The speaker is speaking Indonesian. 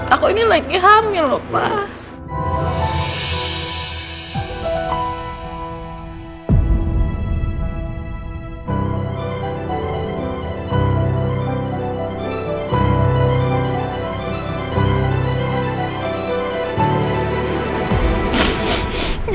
aku ini lagi hamil lho pak